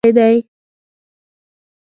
د قیصر اپریدي ژوند لیک ځانګړی دی.